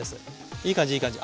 いい感じいい感じ。